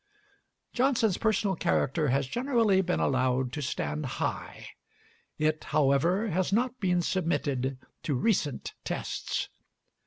Johnson's personal character has generally been allowed to stand high. It, however, has not been submitted to recent tests.